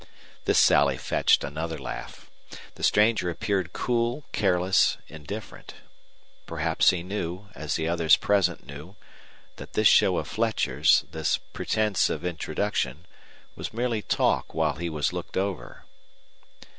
This sally fetched another laugh. The stranger appeared cool, careless, indifferent. Perhaps he knew, as the others present knew, that this show of Fletcher's, this pretense of introduction, was merely talk while he was looked over.